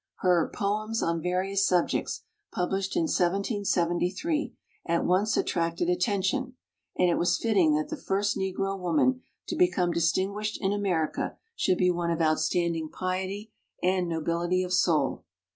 Her Poems on Various Subjects published in 1773 at once at tracted attention, and it was fitting that the first Negro woman to become distin squished in America should be one of outstanding piety and nobility of soul.